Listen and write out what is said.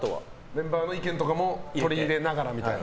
メンバーの意見とかも取り入れながらみたいな。